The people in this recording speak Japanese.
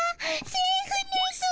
セーフですぅ。